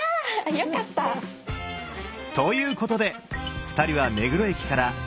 よかった！ということで２人は目黒駅から徒歩１２分